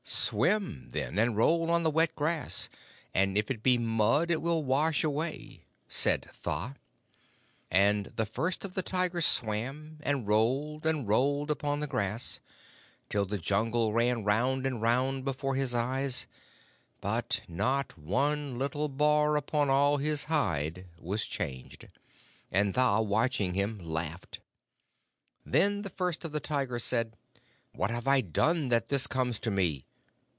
'Swim, then, and roll on the wet grass, and if it be mud it will wash away,' said Tha; and the First of the Tigers swam, and rolled and rolled upon the grass, till the Jungle ran round and round before his eyes, but not one little bar upon all his hide was changed, and Tha, watching him, laughed. Then the First of the Tigers said, 'What have I done that this comes to me?'